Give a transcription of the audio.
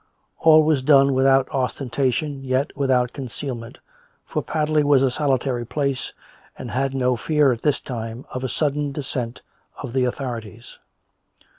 All was done without ostentation, yet without con cealment, for Padley was a solitary place, and had no fear, at this time, of a sudden descent of the authorities.